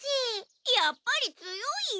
やっぱり強いよ。